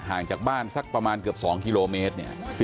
จากบ้านสักประมาณเกือบ๒กิโลเมตรเนี่ย